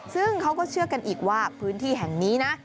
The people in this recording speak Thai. ซึ่งเขาก็เชื่อกันอีกว่าพื้นที่แห่งนี้นะ